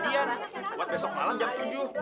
ya itu menghitung bingung